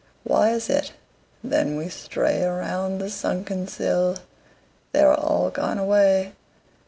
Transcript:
Why is it then we stray Around the sunken sill? They are all gone away.